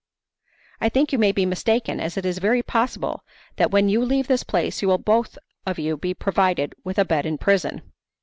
"I think you may be mistaken, as it is very possible that when you leave this place you will both of you be provided with a bed in prison."